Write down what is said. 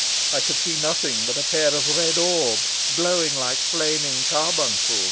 I could see nothing but a pair of red orbs, glowing like flaming carbuncles.